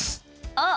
あっ！